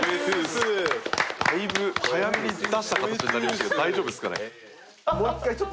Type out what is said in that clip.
だいぶ早めに出した形になりましたけど大丈夫ですかね？